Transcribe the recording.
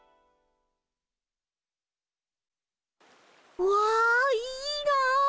うわいいな。